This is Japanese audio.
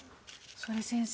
それ先生